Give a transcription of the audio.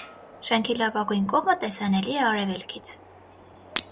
Շենքի լավագույն կողմը տեսանելի է արևելքից։